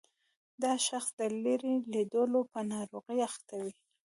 دا شخص د لیرې لیدلو په ناروغۍ اخته وي.